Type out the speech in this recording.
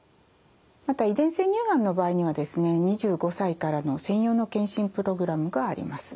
また遺伝性乳がんの場合にはですね２５歳からの専用の検診プログラムがあります。